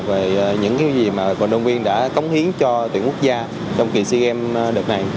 về những cái gì mà đoàn viên đã cống hiến cho tuyển quốc gia trong kỳ sea games đợt này